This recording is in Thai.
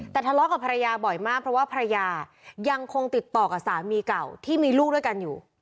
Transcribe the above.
แต่ทะเลาะกับภรรยาบ่อยมากเพราะว่าภรรยายังคงติดต่อกับสามีเก่าที่มีลูกด้วยกันอยู่